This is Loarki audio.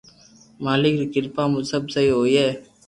مالڪ ري ڪرپا مون سب سھي ھوئي